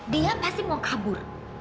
dia pasti mau kabur